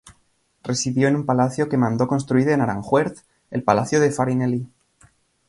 Residió en un palacio que mandó construir en Aranjuez, el Palacio de Farinelli.